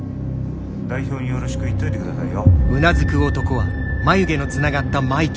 代表によろしく言っといて下さいよ。